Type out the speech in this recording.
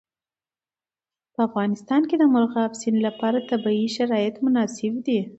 په افغانستان کې د مورغاب سیند لپاره طبیعي شرایط مناسب دي.